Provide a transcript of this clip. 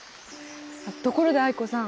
ところで藍子さん